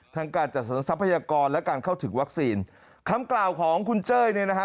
การจัดสรรทรัพยากรและการเข้าถึงวัคซีนคำกล่าวของคุณเจ้ยเนี่ยนะฮะ